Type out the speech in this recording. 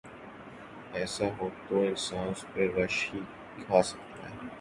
ایسا ہو تو انسان اس پہ غش ہی کھا سکتا ہے۔